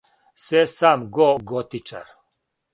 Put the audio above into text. Све сам го готичар!